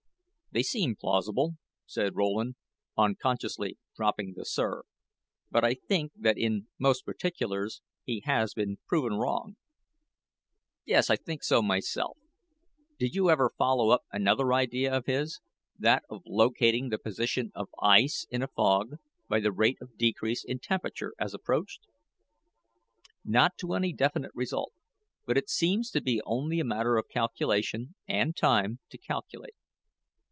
"They seem plausible," said Rowland, unconsciously dropping the "sir"; "but I think that in most particulars he has been proven wrong." "Yes, I think so myself. Did you ever follow up another idea of his that of locating the position of ice in a fog by the rate of decrease in temperature as approached?" "Not to any definite result. But it seems to be only a matter of calculation, and time to calculate.